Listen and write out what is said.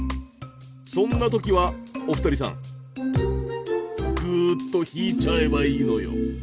そんな時はお二人さんぐっと引いちゃえばいいのよ。